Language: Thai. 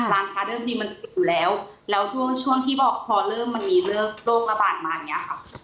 ร้านค้าเริ่มดีมันปิดอยู่แล้วแล้วช่วงช่วงที่บอกพอเริ่มมันมีเรื่องโรคระบาดมาอย่างนี้ค่ะ